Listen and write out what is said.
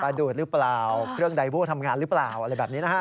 ดูดหรือเปล่าเครื่องไดโว้ทำงานหรือเปล่าอะไรแบบนี้นะฮะ